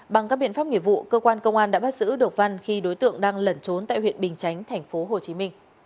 bằng các biện pháp nghiệp vụ cơ quan công an đã bắt giữ được văn khi đối tượng đang lẩn trốn tại huyện bình chánh tp hcm